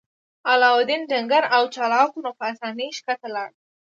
علاوالدین ډنګر او چلاک و نو په اسانۍ ښکته لاړ.